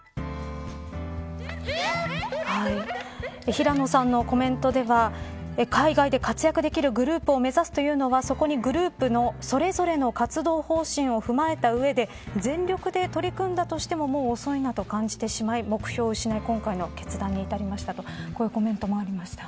平野さんのコメントでは海外で活躍できるグループを目指すというのはそこにグループのそれぞれの活動方針を踏まえた上で全力で取り組んだとしてももう遅いなと感じてしまい目標を失い今回の決断に至りましたとこういうコメントもありました。